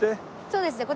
そうですね